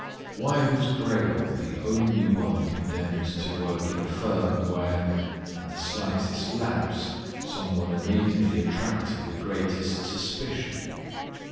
Why was Gregor the only one condemned to work in a firm where, at the slightest lapse, someone immediately attracted the greatest suspicion?